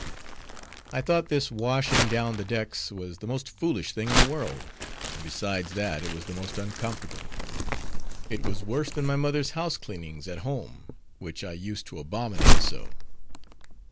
I thought this washing down the decks was the most foolish thing in the world, and besides that it was the most uncomfortable. It was worse than my mother's house cleanings at home, which I used to abominate so.